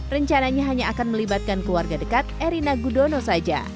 rencananya hanya akan melibatkan keluarga dekat erina gudono saja